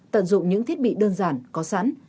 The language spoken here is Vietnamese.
tận dụng những thiết bị đơn giản có sẵn